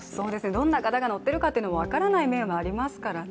どんな方が乗っているかというのが分からない面もありますからね。